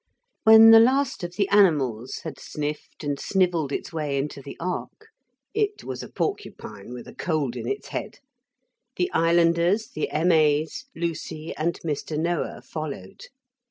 When the last of the animals had sniffed and snivelled its way into the ark it was a porcupine with a cold in its head the islanders, the M.A.'s, Lucy and Mr. Noah followed.